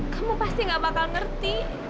kamu pasti gak bakal ngerti